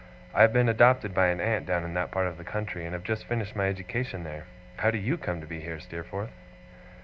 I have been adopted by an aunt down in that part of the country, and have just finished my education there. How do YOU come to be here, Steerforth?